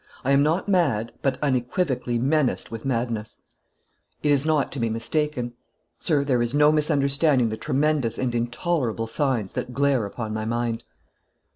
I am not mad, but unequivocally menaced with madness; it is not to be mistaken. Sir, there is no misunderstanding the tremendous and intolerable signs that glare upon my mind."